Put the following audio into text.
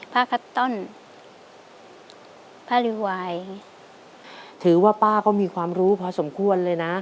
ผ้าคัตต้นผ้าริวายถือว่าป้าก็มีความรู้พอสมควรเลยนะ